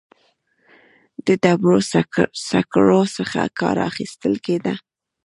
د ډبرو سکرو څخه کار اخیستل کېده.